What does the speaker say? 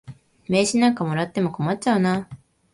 名刺なんかもらっても困っちゃうな。